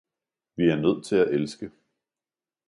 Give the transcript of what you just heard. Vi er nødt til at elske